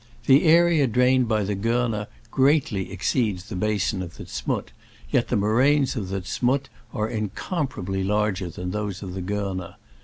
The area drained by the Corner greatly exceeds the basin of the Z'Mutt, yet the moraines of the Z'Mutt are incomparably larger than those of the Corner.